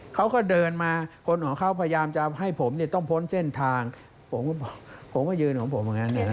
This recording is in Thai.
เขาก็เดินมาคนของเขาพยายามจะให้ผมต้องพ้นเส้นทางผมก็ยืนของผมอย่างนั้น